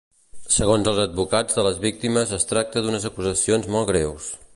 Segons els advocats de les víctimes, es tracta d'unes acusacions molt greus.